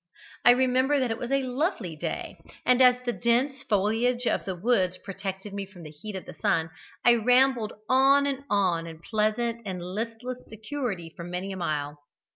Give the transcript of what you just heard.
I remember that it was a lovely day, and as the dense foliage of the woods protected me from the heat of the sun, I rambled on and on in pleasant and listless security for many a mile.